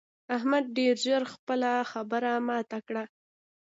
احمد ډېر ژر خپله خبره ماته کړه.